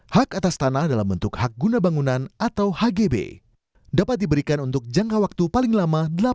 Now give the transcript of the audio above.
hak atas tanah dalam bentuk hak guna bangunan atau hgb dapat diberikan untuk jangka waktu paling lama